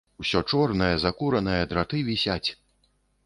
Усё чорнае, закуранае, драты вісяць.